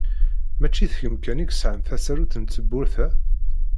Mačči d kemm kan i yesεan tasarut n tewwurt-a?